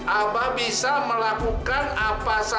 abah bisa melakukan apa saja